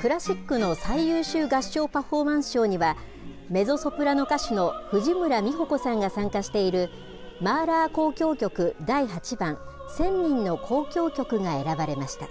クラシックの最優秀合唱パフォーマンス賞には、メゾソプラノ歌手の藤村実穂子さんが参加している、マーラー交響曲第８番千人の交響曲が選ばれました。